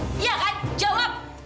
iya kan jawab